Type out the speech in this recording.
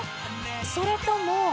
それとも。